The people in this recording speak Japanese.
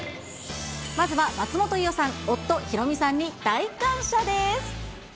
まずは松本伊代さん、夫、ヒロミさんに大感謝です。